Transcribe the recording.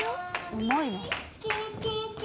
うまいな。